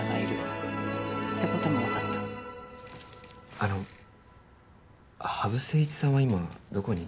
あの羽生誠一さんは今どこに？